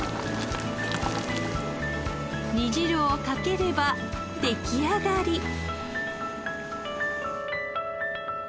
煮汁をかければ出来上がり。